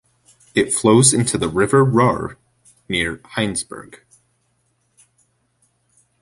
It flows into the River Rur near Heinsberg.